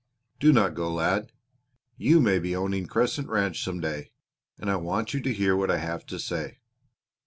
"Do not go, lad. You may be owning Crescent Ranch some day, and I want you to hear what I have to say.